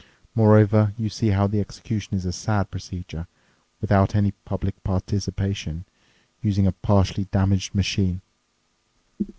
Moreover, you see how the execution is a sad procedure, without any public participation, using a partially damaged machine.